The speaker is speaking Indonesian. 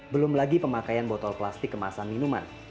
belum lagi pemakaian botol plastik kemasan minuman